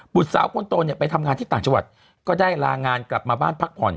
สาวคนโตเนี่ยไปทำงานที่ต่างจังหวัดก็ได้ลางานกลับมาบ้านพักผ่อน